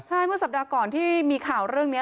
ใช่เมื่อสัปดาห์ก่อนที่มีข่าวเรื่องนี้